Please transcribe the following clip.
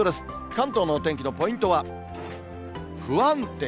関東のお天気のポイントは、不安定。